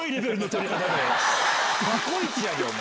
過去イチやでお前！